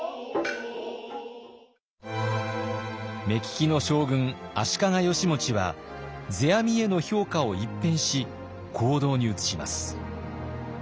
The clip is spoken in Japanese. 目利きの将軍足利義持は世阿弥への評価を一変し行動に移します。